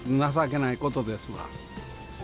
情けないことですわ。